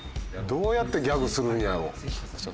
どうやってギャグするんやろ？